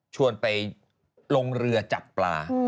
ชวนไปลงเรือจับปลา